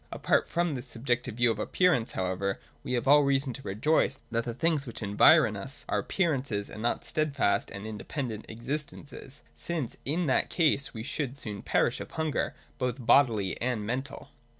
Apart from this subjective view of Appearance, however, we have all reason to rejoice that the things which environ us are appearances and not steadfast and independent existences ; since in that case we should soon perish of hunger, both bodily and mental.